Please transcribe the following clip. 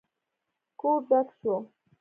کور ډک شو.